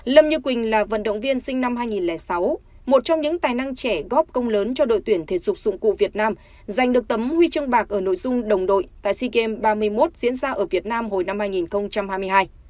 lâm như quỳnh là vận động viên sinh năm hai nghìn sáu một trong những tài năng trẻ góp công lớn cho đội tuyển thể dục dụng cụ việt nam giành được tấm huy chương bạc ở nội dung đồng đội tại sea games ba mươi một diễn ra ở việt nam hồi năm hai nghìn hai mươi hai